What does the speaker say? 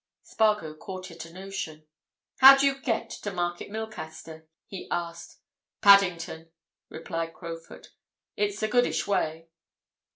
Spargo caught at a notion. "How do you get to Market Milcaster?" he asked. "Paddington," replied Crowfoot. "It's a goodish way."